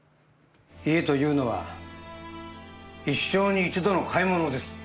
家というのは一生に一度の買い物です